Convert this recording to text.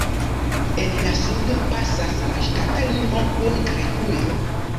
En la sudo pasas la ŝtata limo kun Grekujo.